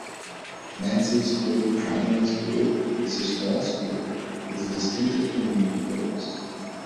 Menzies Creek Primary School is a small school with a distinctive community focus.